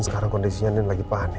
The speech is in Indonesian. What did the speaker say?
sekarang kondisinya ini lagi panik